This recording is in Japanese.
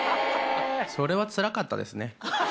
それはつらかったですね。